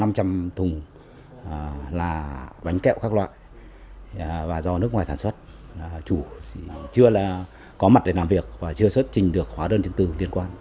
cơ quan chức năng phát hiện hàng trăm thùng bánh kẹo khác loại và do nước ngoài sản xuất chủ chưa có mặt để làm việc và chưa xuất trình được hóa đơn chứng tư liên quan